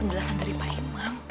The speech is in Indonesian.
alasan dari pak imam